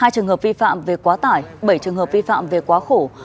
hai trường hợp vi phạm về quá tải bảy trường hợp vi phạm về quá khổ